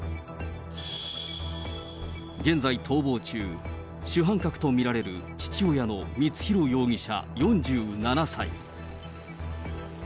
現在、逃亡中、主犯格と見られる父親の光弘容疑者４７歳。